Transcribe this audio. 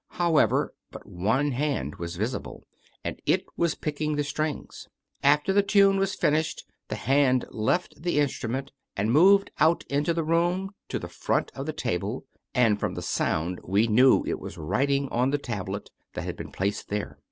However, but one hand was visible, and it was picking the strings. After the tune was finished, the hand left the in strument, and moved out into the room to the front of the table, and from the sound we knew it was writing on the tablet that had been placed there.